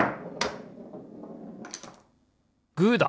グーだ！